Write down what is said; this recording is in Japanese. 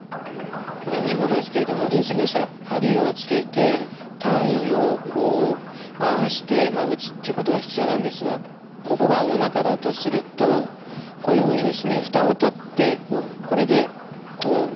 これ見本ですけれどもインスリンでしたら針をつけて単位をこう回して打つっていうことが必要なんですがここがおなかだとするとこういうふうにですね蓋を取ってこれでこう。